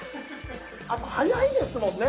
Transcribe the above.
あと早いですもんね